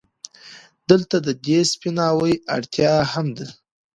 دلته د دې سپيناوي اړتيا هم ده،